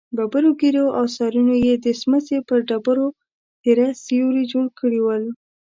ببرو ږېرو او سرونو يې د سمڅې پر ډبرو تېره سيوري جوړ کړي ول.